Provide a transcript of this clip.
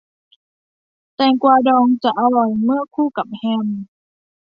แตงกวาดองจะอร่อย เมื่อคู่กับแฮม